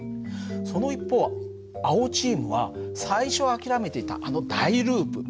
その一方青チームは最初諦めていたあの大ループ